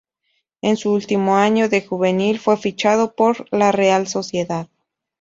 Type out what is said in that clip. En su último año de juvenil fue fichado por la Real Sociedad.